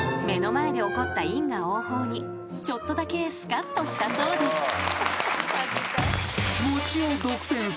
［目の前で起こった因果応報にちょっとだけスカッとしたそうです］